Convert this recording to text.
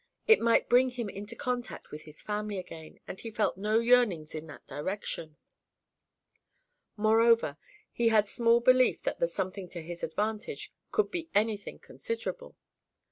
It might bring him into contact with his family again, and he felt no yearnings in that direction: moreover, he had small belief that the "something to his advantage" could be anything considerable.